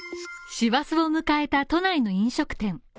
師走を迎えた都内の飲食店。